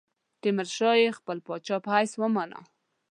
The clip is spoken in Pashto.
تیمورشاه یې خپل پاچا په حیث ومانه.